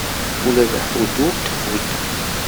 Ula d aḥuddu ur t-iḥudd.